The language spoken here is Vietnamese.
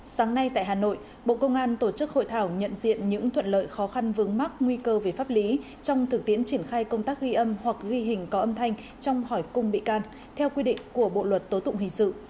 sáng nay tại hà nội bộ công an tổ chức hội thảo nhận diện những thuận lợi khó khăn vướng mắc nguy cơ về pháp lý trong thực tiễn triển khai công tác ghi âm hoặc ghi hình có âm thanh trong hỏi cung bị can theo quy định của bộ luật tố tụng hình sự